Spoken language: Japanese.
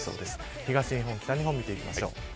東日本、北日本見ていきましょう。